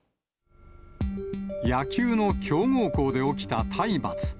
野球の強豪校で起きた体罰。